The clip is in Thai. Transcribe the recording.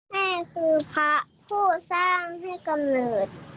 แม่คือพระผู้สร้างให้กำเนิด